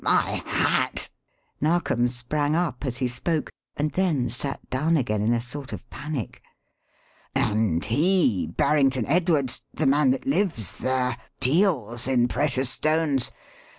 My hat!" Narkom sprang up as he spoke, and then sat down again in a sort of panic. "And he Barrington Edwards, the man that lives there deals in precious stones.